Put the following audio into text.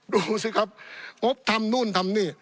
ดูสิครับงบทำนู่นทำนี่